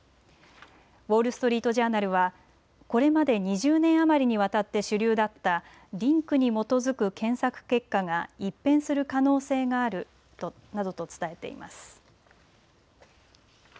ウォール・ストリート・ジャーナルは、これまで２０年余りにわたって主流だったリンクに基づく検索結果が一変する可能性があるなどと伝えています。